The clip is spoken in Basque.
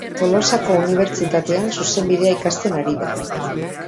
Tolosako Unibertsitatean zuzenbidea ikasten ari da.